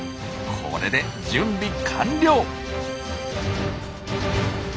これで準備完了。